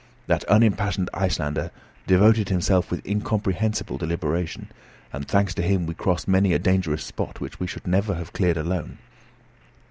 That unimpassioned Icelander devoted himself with incomprehensible deliberation; and, thanks to him, we crossed many a dangerous spot which we should never have cleared alone.